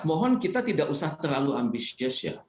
mohon kita tidak usah terlalu ambisius ya